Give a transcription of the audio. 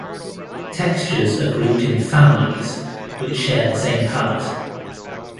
Textures are grouped in "families" which share the same palette.